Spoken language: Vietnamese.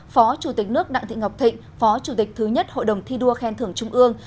phó chủ tịch nước đặng thị ngọc thịnh phó chủ tịch thứ nhất hội đồng thi đua khen thưởng trung ương